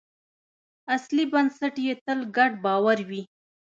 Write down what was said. اصلي بنسټ یې تل ګډ باور وي.